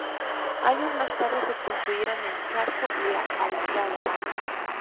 Años más tarde se construyeron El Charco y La Algaida.